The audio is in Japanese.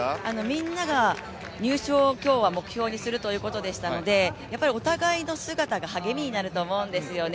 みんなが入賞を今日は目標にするということでしたのでお互いの姿が励みになると思うんですよね。